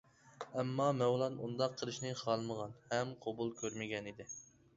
ئەمما، مەۋلان ئۇنداق قىلىشنى خالىمىغان ھەم قوبۇل كۆرمىگەنىدى.